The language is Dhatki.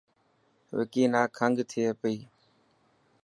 وڪي نا کنگ ٿي پئي .